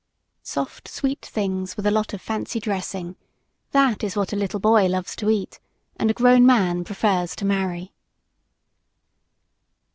Soft, sweet things with a lot of fancy dressing that is what a little boy loves to eat and a grown man prefers to marry.